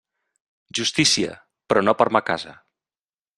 Justícia, però no per ma casa.